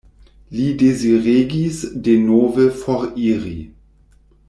Li deziregis denove foriri.